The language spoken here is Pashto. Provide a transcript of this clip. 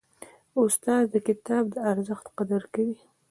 استاد د کتاب د ارزښت قدر کوي.